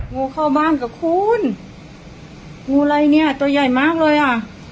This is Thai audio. งูเข้าบ้านกับคุณงูอะไรเนี้ยตัวใหญ่มากเลยอ่ะ